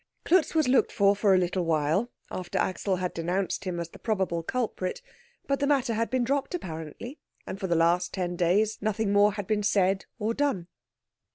Klutz was looked for for a little while after Axel had denounced him as the probable culprit, but the matter had been dropped, apparently, and for the last ten days nothing more had been said or done.